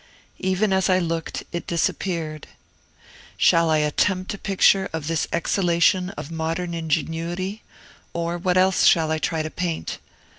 Even as I looked, it disappeared. Shall I attempt a picture of this exhalation of modern ingenuity, or what else shall I try to paint?